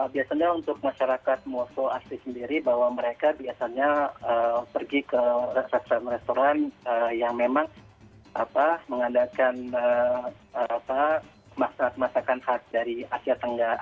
biasanya untuk masyarakat moskow asli sendiri bahwa mereka biasanya pergi ke restoran restoran yang memang mengadakan masak masakan khas dari asia tenggara